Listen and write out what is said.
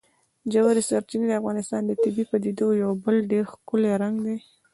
ژورې سرچینې د افغانستان د طبیعي پدیدو یو بل ډېر ښکلی رنګ دی.